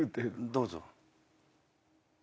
どうぞ。